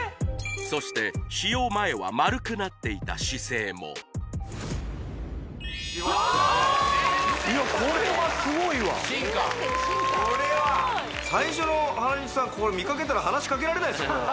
そして使用前は丸くなっていた姿勢もいやこれはすごいわ進化最初の原西さん見かけたら話しかけられないですよ